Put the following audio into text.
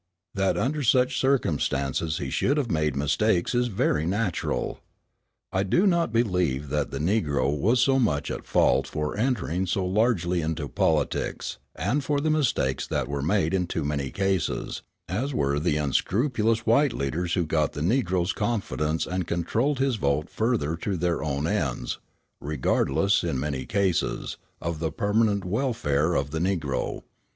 That under such circumstances he should have made mistakes is very natural. I do not believe that the Negro was so much at fault for entering so largely into politics, and for the mistakes that were made in too many cases, as were the unscrupulous white leaders who got the Negro's confidence and controlled his vote to further their own ends, regardless, in many cases, of the permanent welfare of the Negro.